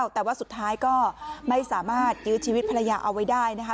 แต่ว่าสุดท้ายก็ไม่สามารถยื้อชีวิตภรรยาเอาไว้ได้นะคะ